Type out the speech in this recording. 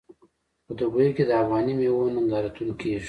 په دوبۍ کې د افغاني میوو نندارتون کیږي.